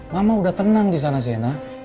mama udah tenang di sana sena